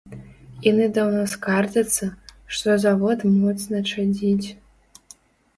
Яны даўно скардзяцца, што завод моцна чадзіць.